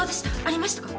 ありましたか？